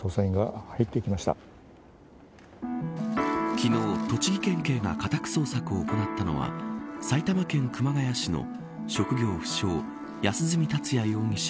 昨日、栃木県警が家宅捜索を行ったのは埼玉県熊谷市の職業不詳、安栖達也容疑者